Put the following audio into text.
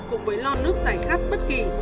cùng với lon nước giải khát bất kỳ